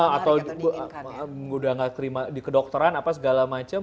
atau udah gak terima di kedokteran apa segala macam